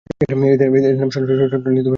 এদের নাম সন্ন্যাসী, সর্বত্যাগী সন্ন্যাসী।